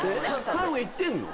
ハンは行ってんの？